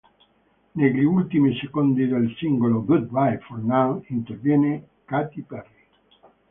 Negli ultimi secondi del singolo "Goodbye for Now" interviene Katy Perry.